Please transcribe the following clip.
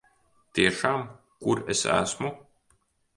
Tiešām? Kur es esmu?